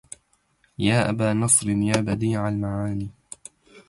يا أبا نصر يا بديع المعاني